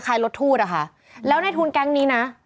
คล้ายรถถูดอะคะแล้วในธูนแกงนี้นะ